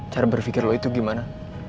cara berpikir lo itu gimana